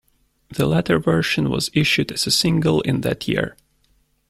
The latter version was issued as a single in that year.